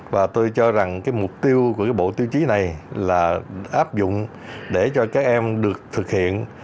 và tôi cho rằng cái mục tiêu của bộ tiêu chí này là áp dụng để cho các em được thực hiện